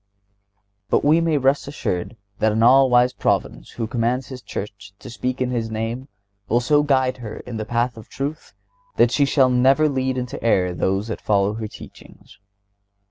But we may rest assured that an all wise Providence who commands His Church to speak in His name will so guide her in the path of truth that she shall never lead into error those that follow her teachings.